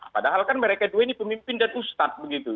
padahal kan mereka dua ini pemimpin dan ustadz begitu